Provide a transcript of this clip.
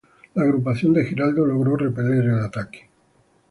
La agrupación de Giraldo logró repeler el ataque.